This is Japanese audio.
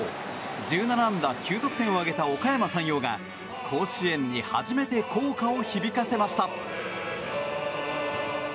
１７安打９得点を挙げたおかやま山陽が甲子園に初めて校歌を響かせました。